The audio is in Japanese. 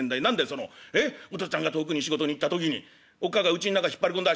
そのお父っつぁんが遠くに仕事に行った時におっ母がうちん中引っ張り込んだ